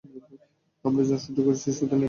আমরা যা সহ্য করেছি, সেই তুলনায় এটা কিছুই নয়।